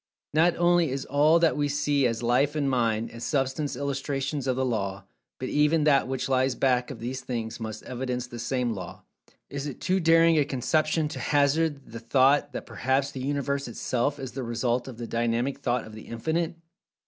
Not only is all that we see as Life and Mind, and Substance illustrations of the Law, but even that which lies back of these things must evidence the same Law. Is it too daring a conception to hazard the thought that perhaps the Universe itself is the result of the Dynamic Thought of The Infinite?